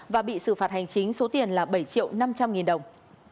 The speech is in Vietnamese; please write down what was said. và bị xử phạt hành chính số tiền là bảy triệu năm trăm linh nghìn đồng